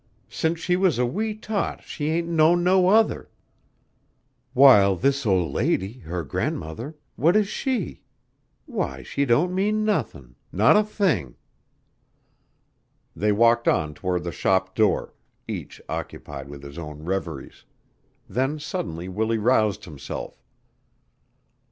Since she was a wee tot she ain't known no other. While this old lady, her grandmother what is she? Why, she don't mean nothin' not a thing!" They walked on toward the shop door, each occupied with his own reveries; then suddenly Willie roused himself.